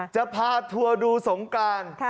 จะพาทัวร์ดูสงการ